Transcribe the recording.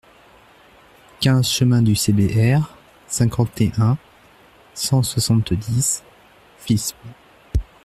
quinze chemin du CBR, cinquante et un, cent soixante-dix, Fismes